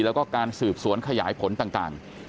แล้วก็การสืบสวนขยายผลต่าง